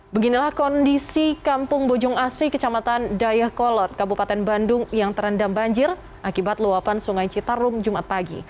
beginilah kondisi kampung bojong asi kecamatan dayakolot kabupaten bandung yang terendam banjir akibat luapan sungai citarum jumat pagi